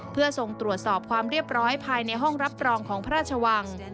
เพื่อส่งตรวจสอบความเรียบร้อยภายในห้องรับรองของพระราชวัง